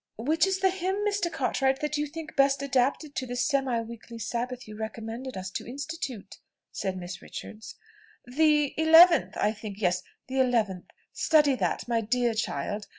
"Which is the hymn, Mr. Cartwright, that you think best adapted to the semi weekly Sabbath you recommended us to institute?" said Miss Richards. "The eleventh, I think. Yes, the eleventh; study that, my dear child.